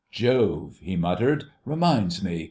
"Jove!" he murmured. "... Reminds me